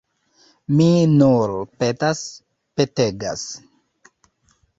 Mi nur petas, petegas.